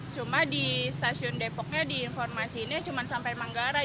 cuma di stasiun depoknya di informasi ini cuma sampai manggarai